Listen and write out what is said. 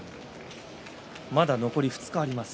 まだ残り２日あります。